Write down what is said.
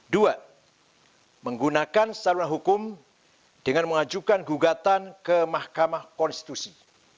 dua menggunakan saluran hukum dengan mengajukan gugatan ke mahkamah konstitusi